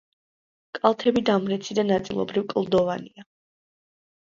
კალთები დამრეცი და ნაწილობრივ კლდოვანია.